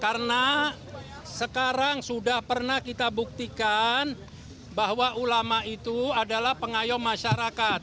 karena sekarang sudah pernah kita buktikan bahwa ulama itu adalah pengayuh masyarakat